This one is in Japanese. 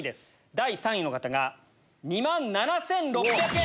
第３位の方が２万７６００円。